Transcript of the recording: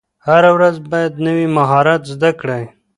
هره ورځ باید نوی مهارت زده کړئ.